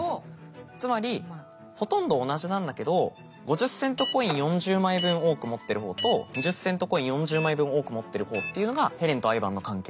つまりほとんど同じなんだけど５０セントコイン４０枚分多く持ってる方と２０セントコイン４０枚分多く持ってる方っていうのがヘレンとアイヴァンの関係。